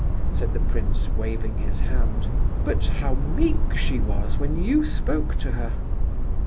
said the prince, waving his hand. "But how meek she was when you spoke to her!"